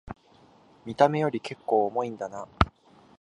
見た目よりけっこう重いんだな